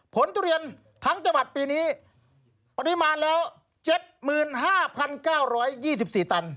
ทุเรียนทั้งจังหวัดปีนี้ปริมาณแล้ว๗๕๙๒๔ตัน